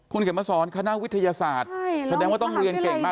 คุณเขียนมาสอนคณะวิทยาศาสตร์แสดงว่าต้องเรียนเก่งมาก